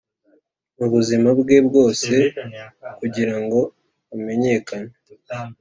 mubuzima bwe bwose kugirango amenyekane